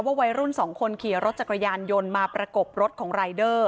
วัยรุ่นสองคนขี่รถจักรยานยนต์มาประกบรถของรายเดอร์